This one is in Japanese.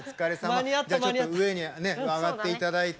じゃあちょっと上にね上がっていただいて。